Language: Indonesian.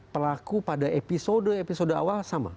pelaku pada episode episode awal sama